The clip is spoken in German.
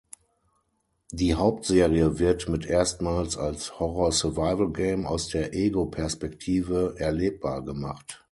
Die Hauptserie wird mit erstmals als Horror-Survival-Game aus der Ego-Perspektive erlebbar gemacht.